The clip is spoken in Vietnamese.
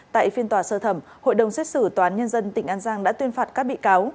tại phiên tòa sơ thẩm hội đồng xét xử tòa án nhân dân tỉnh an giang đã tuyên phạt các bị cáo